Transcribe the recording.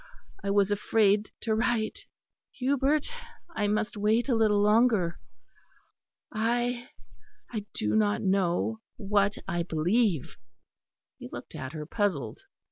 I was afraid to write. Hubert, I must wait a little longer. I I do not know what I believe." He looked at her, puzzled.